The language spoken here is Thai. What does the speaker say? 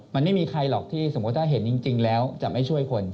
มันไม่มีใครหรอกที่สมมุติถ้าเห็นจริงแล้วจะไม่ช่วยคน